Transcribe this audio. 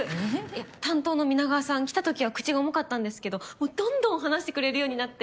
いや担当の皆川さん来たときは口が重かったんですけどもうどんどん話してくれるようになって。